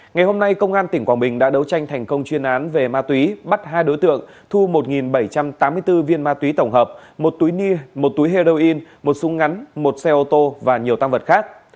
ngày hôm nay công an tỉnh quảng bình đã đấu tranh thành công chuyên án về ma túy bắt hai đối tượng thu một bảy trăm tám mươi bốn viên ma túy tổng hợp một túi nia một túi heroin một súng ngắn một xe ô tô và nhiều tăng vật khác